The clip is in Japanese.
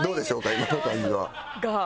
今の感じは。